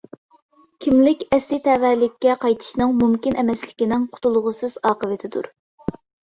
كىملىك ئەسلى تەۋەلىككە قايتىشنىڭ مۇمكىن ئەمەسلىكىنىڭ قۇتۇلغۇسىز ئاقىۋىتىدۇر.